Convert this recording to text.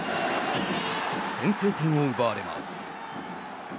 先制点を奪われます。